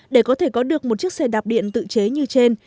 để có thể có được một chiếc xe đạp điện tự chế như trên